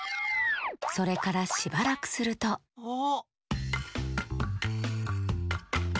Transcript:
それからしばらくするとあ。